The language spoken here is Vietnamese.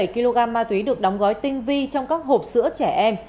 một trăm hai mươi bảy kg ma túy được đóng gói tinh vi trong các hộp sữa trẻ em